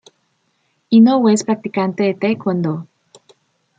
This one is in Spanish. Inoue es practicante de Tae Kwon Do.